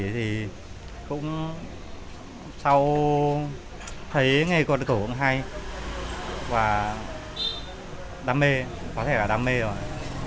thì cũng sau thấy nghề quạt cổ cũng hay và đam mê có thể là đam mê rồi